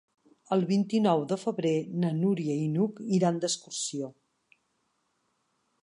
El vint-i-nou de febrer na Núria i n'Hug iran d'excursió.